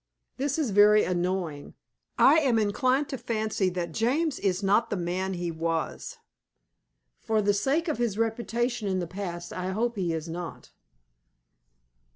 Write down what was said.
This is very annoying. I am inclined to fancy that James is not the man he was. For the sake of his reputation in the past I hope he is not.